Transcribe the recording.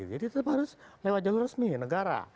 jadi itu harus lewat jalur resmi negara